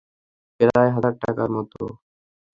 প্রায় হাজার টাকা মতো।